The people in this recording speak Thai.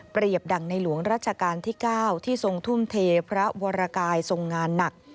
เปรียบดังในหลวงราชกาลที่๙ที่ทุ่มเทพระวรกายทรงงานหนัก